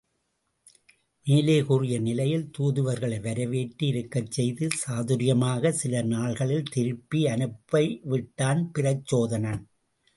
மேலே கூறிய நிலையில் தூதுவர்களை வரவேற்று, இருக்கச் செய்து, சாதுரியமாகச் சில நாள்களில் திருப்பி அனுப்பிவிட்டான் பிரச்சோதனன்.